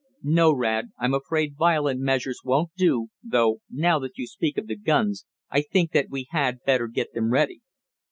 "No, Rad; I'm afraid violent measures won't do, though now that you speak of the guns I think that we had better get them ready."